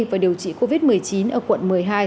và điều trị covid một mươi chín ở quận một mươi hai